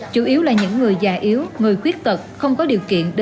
chủ yếu là những người già yếu người khuyết tật không có điều kiện đến cơ hội